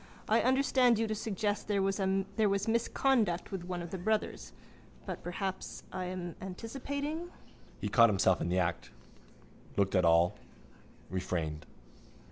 I understand you to suggest there was misconduct with one of the brothers... But perhaps I am anticipating? He caught himself in the act: looked at all: refrained.